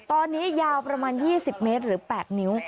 ตอนนี้ยาวประมาณ๒๐เมตรหรือ๘นิ้ว